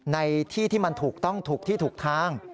ในที่ที่มันถูกต้องถูกที่ถูกทาง